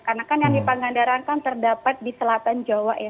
karena kan yang di pangandaran kan terdapat di selatan jawa ya